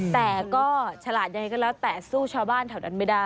แต่ก็ฉลาดยังไงก็แล้วแต่สู้ชาวบ้านแถวนั้นไม่ได้